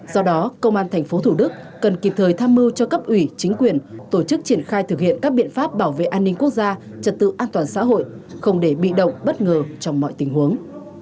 do đó công an tp thủ đức cần kịp thời tham mưu cho cấp ủy chính quyền tổ chức triển khai thực hiện các biện pháp bảo vệ an ninh quốc gia trật tự an toàn xã hội không để bị động bất ngờ trong mọi tình huống